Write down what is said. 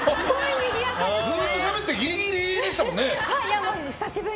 ずっとしゃべってギリギリでしたからね。